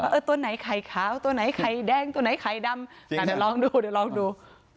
เออเออตัวไหนไข่ขาวตัวไหนไข่แดงตัวไหนไข่ดำจริงค่ะเดี๋ยวลองดูเดี๋ยวลองดู